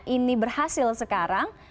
ini berhasil sekarang